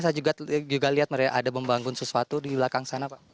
saya juga lihat mereka ada membangun sesuatu di belakang sana pak